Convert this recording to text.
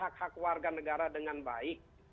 kami harus berhubungan dengan negara dengan baik